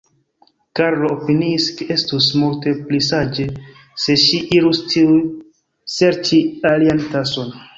Karlo opiniis, ke estus multe pli saĝe, se ŝi irus tuj serĉi alian tason.